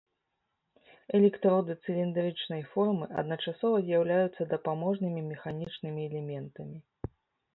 Электроды цыліндрычнай формы, адначасова з'яўляюцца дапаможнымі механічнымі элементамі.